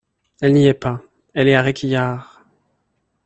Elle n’y est pas, elle est à Réquillart...